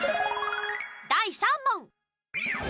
第３問！